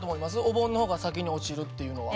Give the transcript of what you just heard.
お盆の方が先に落ちるっていうのは。